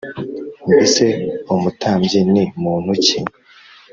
Mbese umutambyi ni muntu ki?